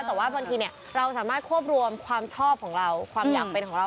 แต่ว่าบางทีเราสามารถควบรวมความชอบของเราความอยากเป็นของเรา